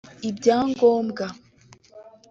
ibyangombwa